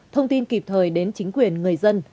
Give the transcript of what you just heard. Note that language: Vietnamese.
thông tin kịp thời đến chính quyền người dân